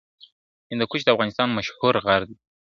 هندوکش د افغانستان مشهور غر دی.